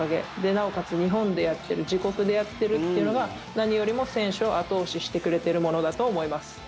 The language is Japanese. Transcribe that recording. なおかつ、日本でやってる自国でやってるっていうのが何よりも選手を後押ししてくれているものだと思います。